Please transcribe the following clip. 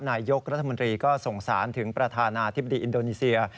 นายกรัฐมนตรีก็สงสารถึงประธานาธิบดีอินโดนีเซีย